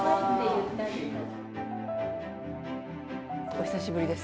お久しぶりです。